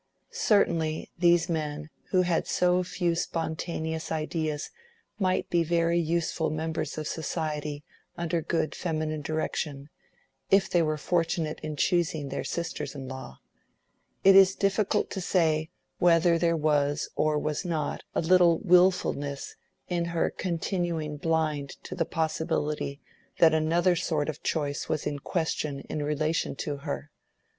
Certainly these men who had so few spontaneous ideas might be very useful members of society under good feminine direction, if they were fortunate in choosing their sisters in law! It is difficult to say whether there was or was not a little wilfulness in her continuing blind to the possibility that another sort of choice was in question in relation to her.